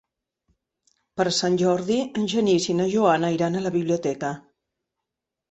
Per Sant Jordi en Genís i na Joana iran a la biblioteca.